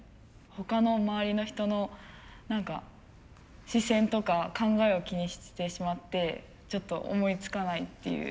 他の周りの人の何か視線とか考えを気にしてしまってちょっと思いつかないっていう。